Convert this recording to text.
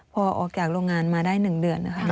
พอออกจากโรงงานมาได้หนึ่งเดือนนะครับ